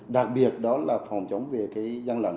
đặc biệt đó là phòng chống về cái gian lận